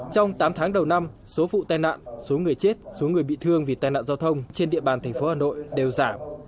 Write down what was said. trong tám tháng đầu năm số phụ tai nạn số người chết số người bị thương vì tai nạn giao thông trên địa bàn tp hà nội đều giảm